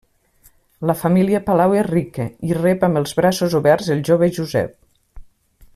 La família Palau és rica i rep amb els braços oberts el jove Josep.